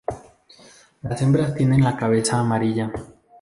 Las hembras tienen la cabeza amarilla.